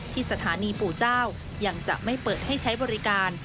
ที่สถานีปู่เจ้ายังจะไม่เปิดให้ใช้บริการ